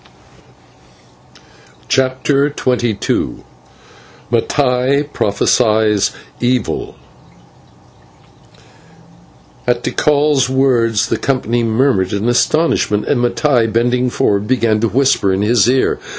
CHAPTER XXII MATTAI PROPHESIES EVIL At Tikal's words the company murmured in astonishment, and Mattai, bending forward, began to whisper in his ear.